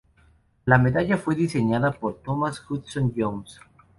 La medalla fue diseñada por Thomas Hudson Jones.